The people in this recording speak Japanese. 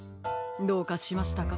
どうかしましたか？